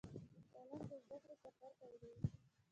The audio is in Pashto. قلم د زده کړې سفر پیلوي